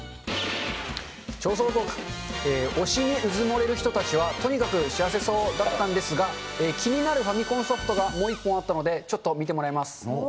調査報告、推しにうずもれる人たちは、とにかく幸せそうだったんですが、気になるファミコンソフトがもう一本あったので、ちょっと見てもらいます。